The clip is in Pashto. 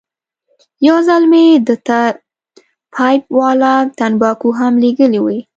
یو ځل مې ده ته پایپ والا تنباکو هم لېږلې وې.